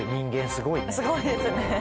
すごいですね。